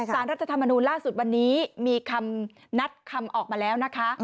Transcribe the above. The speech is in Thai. รัฐธรรมนูลล่าสุดวันนี้มีคำนัดคำออกมาแล้วนะคะ